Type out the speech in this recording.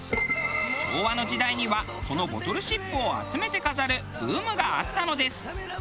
昭和の時代にはこのボトルシップを集めて飾るブームがあったのです。